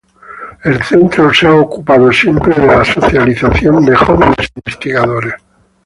El Centro se ha ocupado siempre de la socialización de jóvenes investigadores.